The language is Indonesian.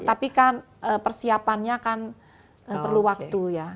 tapi kan persiapannya kan perlu waktu ya